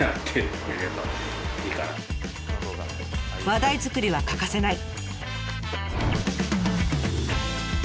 話題作りは欠かせない！